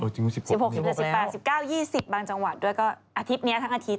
จริง๑๖๑๗๑๘๑๙๒๐บางจังหวัดด้วยก็อาทิตย์นี้ทั้งอาทิตย